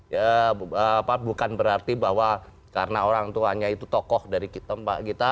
ya bukan berarti bahwa karena orang tuanya itu tokoh dari tempat kita